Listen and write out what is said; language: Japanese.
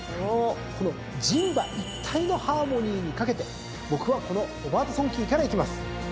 この人馬一体のハーモニーに懸けて僕はこのロバートソンキーからいきます。